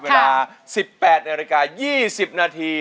เวลา๑๘นาฬิกา๒๐นาที